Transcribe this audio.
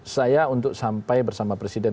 saya untuk sampai bersama presiden